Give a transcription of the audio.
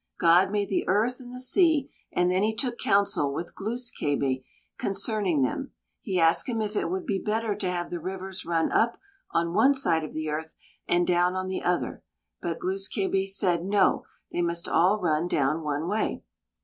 God made the earth and the sea, and then he took counsel with Glūs kābé concerning them. He asked him if it would be better to have the rivers run up on one side of the earth and down on the other, but Glūs kābé said, "No, they must all run down one way."